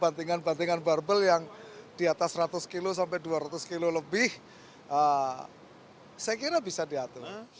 bantingan bantingan barbel yang di atas seratus kilo sampai dua ratus kilo lebih saya kira bisa diatur